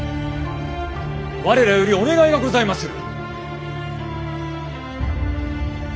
我らよりお願いがございまする。